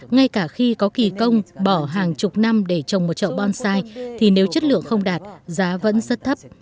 ngay cả khi có kỳ công bỏ hàng chục năm để trồng một trậu bonsai thì nếu chất lượng không đạt giá vẫn rất thấp